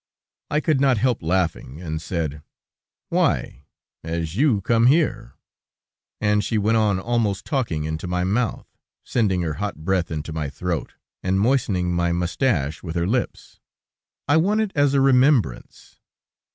I could not help laughing, and said: "Why, as you come here?" And she went on almost talking into my mouth, sending her hot breath into my throat, and moistening my moustache with her lips: "I want it as a remembrance."